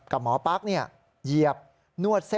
กับหมอปั๊กเนี่ยเหยียบนวดเส้น